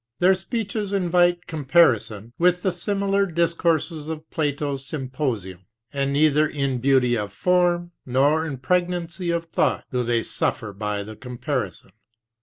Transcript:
Their speeches invite comparison with the similar discourses of Plato's Symposium, and neither in beauty of form nor in pregnancy of thought do they suffer by the comparison.